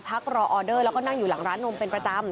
รอออเดอร์แล้วก็นั่งอยู่หลังร้านนมเป็นประจำ